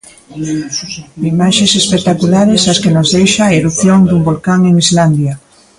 Imaxes espectaculares as que nos deixa a erupción dun volcán en Islandia.